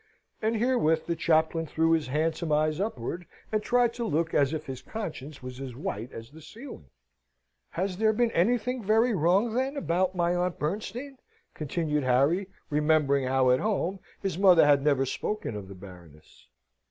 And herewith the chaplain threw his handsome eyes upward, and tried to look as if his conscience was as white as the ceiling. "Has there been anything very wrong, then, about my Aunt Bernstein?" continued Harry, remembering how at home his mother had never spoken of the Baroness.